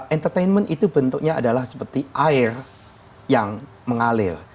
entertainment itu bentuknya adalah seperti air yang mengalir